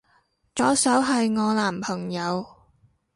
左手係我男朋友